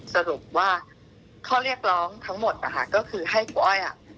สรุปว่าข้อเรียกร้องทั้งหมดนะคะก็คือให้ครูอ้อยอ่ะ